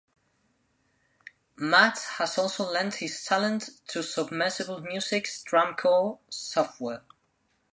Matt has also lent his talents to Submersible Music's DrumCore software.